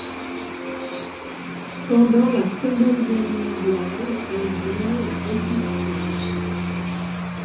Pendant la Seconde Guerre mondiale, elle joint la Résistance.